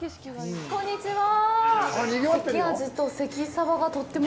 こんにちは！